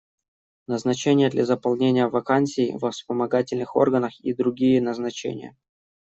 Назначение для заполнения вакансий во вспомогательных органах и другие назначения.